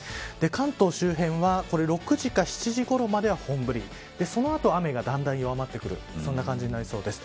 関東周辺は６時か７時ごろまでは本降りその後雨がだんだ弱まってくるそんな感じになりそうです。